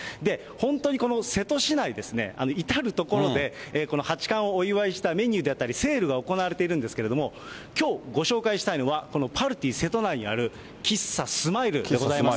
本当にこの瀬戸市内ですね、至る所でこの八冠をお祝いしたメニューだったり、セールが行われてるんですけれども、きょうご紹介したいのは、このパルティせと内にある喫茶スマイルでございます。